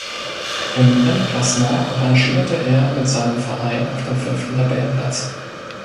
Im Endklassement rangierte er mit seinem Verein auf dem fünften Tabellenplatz.